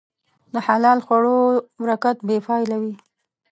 د حلال خوړو برکت بېپایله وي.